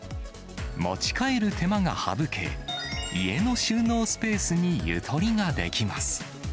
持ち帰る手間が省け、家の収納スペースにゆとりができます。